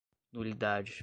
nulidade